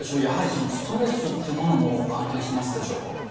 やはりそのストレスっていうものも関係しますでしょうか？